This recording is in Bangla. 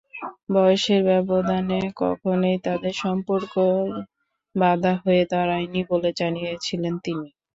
বয়সের ব্যবধান কখনোই তাঁদের সম্পর্কে বাধা হয়ে দাঁড়ায়নি বলেও জানিয়েছিলেন তিনি।